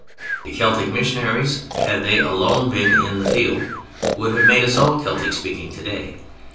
The Celtic missionaries, had they alone been in the field, would have made us all Celtic speaking today.